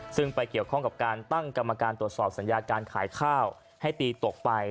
ซึ่งไปเกี่ยวข้องกับการตั้งกรรมการตรวจสอบสัญญาการขายข้าวให้ตีตกไป